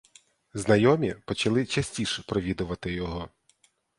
Знайомі почали частіш провідувати його.